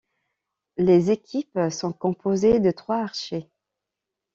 Les équipes sont composées de trois archers.